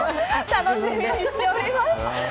楽しみにしております。